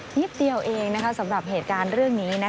นิดเดียวเองสำหรับเหตุการณ์เรื่องนี้